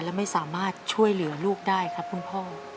และไม่สามารถช่วยเหลือลูกได้ครับคุณพ่อ